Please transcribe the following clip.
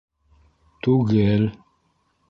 Т-түгел!